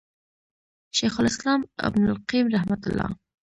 شيخ الإسلام ابن القيّم رحمه الله